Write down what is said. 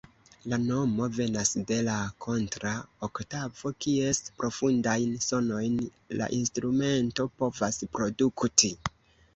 La nomo venas de la kontra-oktavo, kies profundajn sonojn la instrumento povas produkti.